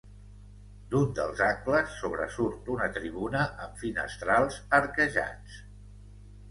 D'un dels angles sobresurt una tribuna amb finestrals arquejats.